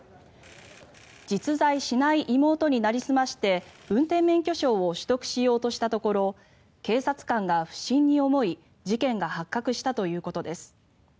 実在しない妹になりすまして運転免許証を取得しようとしたところ警察官が不審に思い事件が発覚したということです。